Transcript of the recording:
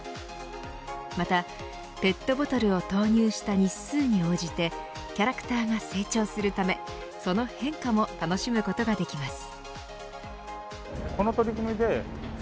またペットボトルを投入した日数に応じてキャラクターが成長するためその変化も楽しむことができます。